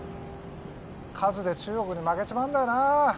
数で中国に負けちまうんだよな